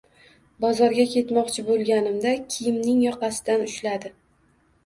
Bozorga ketmoqchi boʻlganimda, kiyimning yoqasidan ushladi.